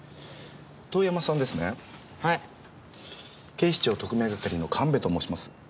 警視庁特命係の神戸と申します。